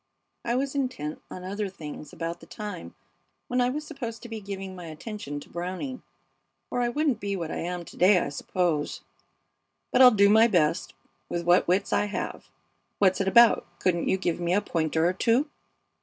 I was intent on other things about the time when I was supposed to be giving my attention to Browning, or I wouldn't be what I am to day, I suppose. But I'll do my best with what wits I have. What's it about? Couldn't you give me a pointer or two?"